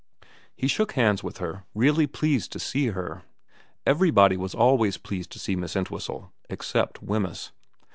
He shook hands with her, really pleased to see her. Everybody was always pleased to see Miss Entwhistle, except Wemyss.